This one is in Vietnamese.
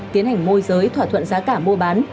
tiến hành môi giới thỏa thuận giá cả mua bán